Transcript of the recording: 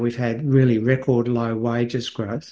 kita telah memiliki peningkatan wajah yang sangat rendah